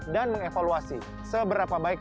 dan mengevaluasi seberapa baik